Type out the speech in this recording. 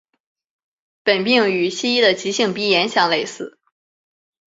本病与西医的急性鼻炎相类似。